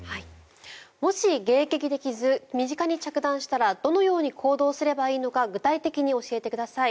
もし迎撃できず身近に着弾したらどのように行動すればいいのか具体的に教えてください。